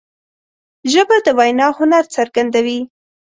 ژبه د وینا هنر څرګندوي